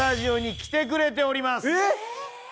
えっ！？